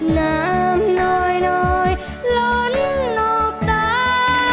น้ำหน่อยล้นอบตา